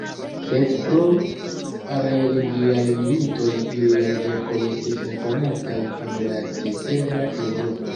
Sed pro religiaj militoj iliaj verkoj estis nekonataj en la cetera Eŭropo.